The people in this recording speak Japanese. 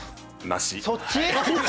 そっち！？